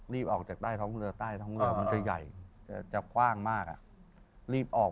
รีบออกจากใต้ท้องเรือมันผ่านหวากมาก